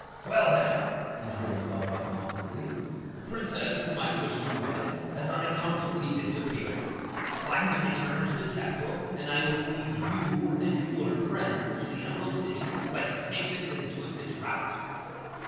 "Well, then," he drew himself up pompously. "The Princess whom I wish to wed has unaccountably disappeared. Find and return her to this castle, and I will speed yew and yewer friends to the Emerald City by the safest and swiftest route!"